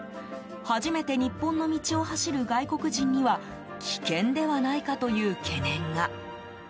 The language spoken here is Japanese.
初めて日本の道を走る外国人には危険ではないかという懸念が。